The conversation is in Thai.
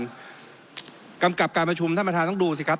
กำกับการประชุมท่านประธานต้องดูสิครับ